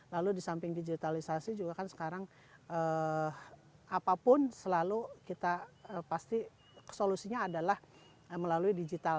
lalu di samping digitalisasi juga kan sekarang apapun selalu kita pasti solusinya adalah melalui digital